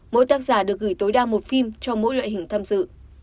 mỗi tác giả được gửi tối đa một phim cho mỗi loại hình tham dự